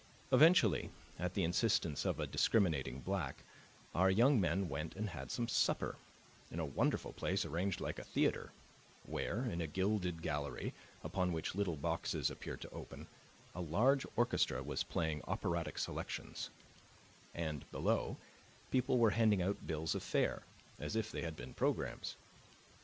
Eventually, at the instance of a discriminating black, our young men went and had some "supper" in a wonderful place arranged like a theater, where, in a gilded gallery, upon which little boxes appeared to open, a large orchestra was playing operatic selections, and, below, people were handing about bills of fare, as if they had been programs.